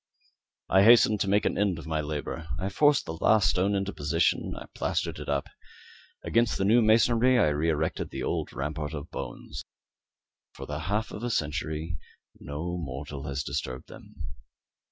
I hastened to make an end of my labour. I forced the last stone into its position; I plastered it up. Against the new masonry I re erected the old rampart of bones. For the half of a century no mortal has disturbed them.